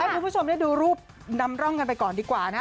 คุณผู้ชมได้ดูรูปนำร่องกันไปก่อนดีกว่านะ